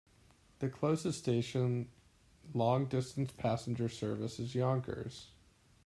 The closest station long distance passenger service is Yonkers.